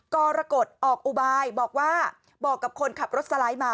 กรกฎออกอุบายบอกว่าบอกกับคนขับรถสไลด์มา